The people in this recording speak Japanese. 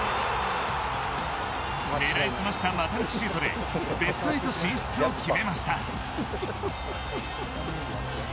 狙い澄ました股抜きシュートでベスト８進出を決めました。